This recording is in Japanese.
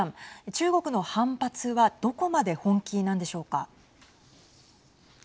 中国の反発はどこまで本気なんでしょうか。